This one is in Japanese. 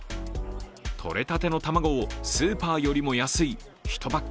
とれたての卵をスーパーよりも安い１パック